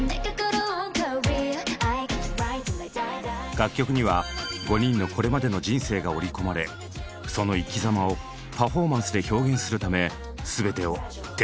楽曲には５人のこれまでの人生が織り込まれその生き様をパフォーマンスで表現するため全てを徹底的に磨き抜く。